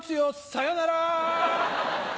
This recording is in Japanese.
さよなら！